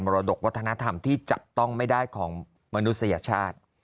รดกวัฒนธรรมที่จับต้องไม่ได้ของมนุษยชาติ